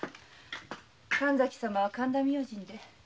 神崎様は神田明神で。